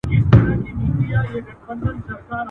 په زندان کي له یوسف سره اسیر یم.